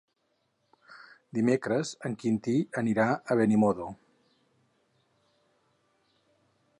Dimecres en Quintí anirà a Benimodo.